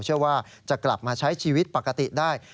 เชื่อว่าจะกลับมาใช้ชีวิตปกติได้